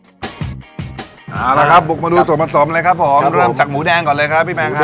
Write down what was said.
เอาละครับบุกมาดูส่วนผสมเลยครับผมเริ่มจากหมูแดงก่อนเลยครับพี่แมงครับ